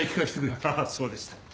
ああそうでした。